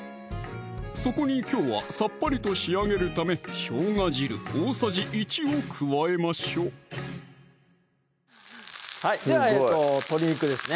そこにきょうはさっぱりと仕上げるためしょうが汁大さじ１を加えましょうではえっと鶏肉ですね